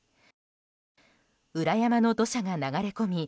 裏山の土砂が流れ込み